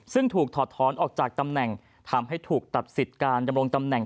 ซึ่งถูกถอดท้อนออกจากตำแหน่งทำให้ถูกตัดสิทธิ์การดำรงตำแหน่ง